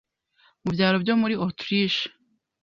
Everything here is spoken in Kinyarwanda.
Mu byaro byo muri Autriche,